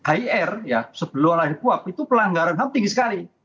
high air ya sebelum lahir kuap itu pelanggaran ham tinggi sekali